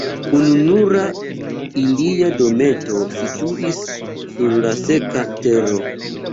Ununura ilia dometo situis sur la seka tero.